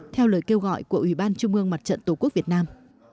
theo lời kêu gọi của ủy ban trung ương mặt trận tổ quốc việt nam